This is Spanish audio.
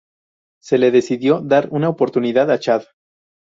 Se le decidió dar una oportunidad a Chad.